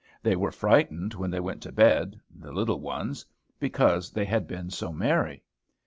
They were frightened when they went to bed the little ones because they had been so merry.